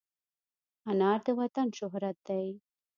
انار د وطن شهرت دی.